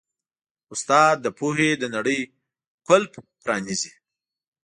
استاد د پوهې د نړۍ قفل پرانیزي.